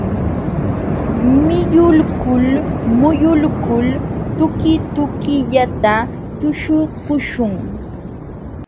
Miyulkul muyulkul tukitukillata tuśhukun.